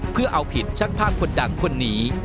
เพื่อเอาผิดช่างภาพคนดังคนนี้